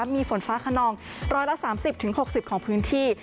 มีฝนฟ้าขนอง๑๓๐๖๐ของพื้นที่